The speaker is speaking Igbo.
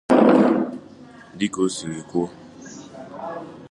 Dịka o siri kwuo